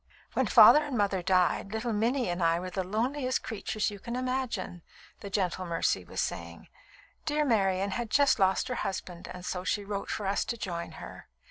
"] "When father and mother died, little Minnie and I were the loneliest creatures you can imagine," the gentle Mercy was saying. "Dear Marian had just lost her husband, and so she wrote for us to join her.